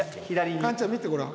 カンちゃん見てごらん。